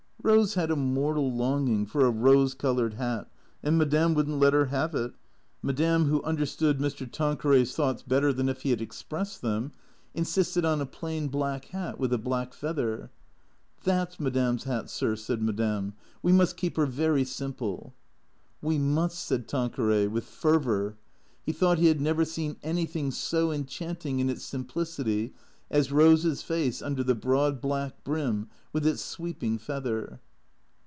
Rose had a mortal longing for a rose coloured hat, and Madame would n't let her have it. Madame, who understood Mr. Tan 38 THECEEATOES queray's thoughts better than if he had expressed them, insisted on a plain blaclv hat with a black feather. " That 's madame's hat, sir," said Madame. " We must keep her very simple." " We must," said Tanqueray, with fervour. He thought he had never seen anything so enchanting in its simplicity as Eose's face under the broad black brim with its sweeping feather.